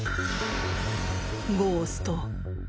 ゴースト。